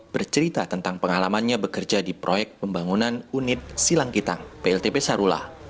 bercerita tentang pengalamannya bekerja di proyek pembangunan unit silangkitang pltp sarula